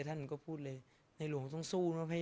สงฆาตเจริญสงฆาตเจริญ